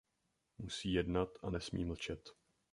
Musí jednat a nesmí mlčet.